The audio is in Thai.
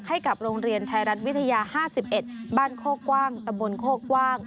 ให้กับโรงเรียนไทยรัฐวิทยา๕๑บ้านโคกว้างตะบนโคกว้าง